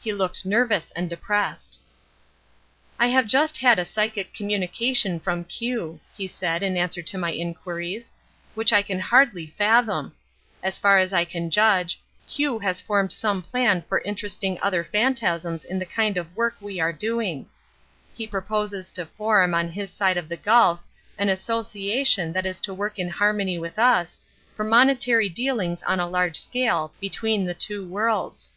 He looked nervous and depressed. "I have just had a psychic communication from Q," he said in answer to my inquiries, "which I can hardly fathom. As far as I can judge, Q has formed some plan for interesting other phantasms in the kind of work that we are doing. He proposes to form, on his side of the gulf, an association that is to work in harmony with us, for monetary dealings on a large scale, between the two worlds."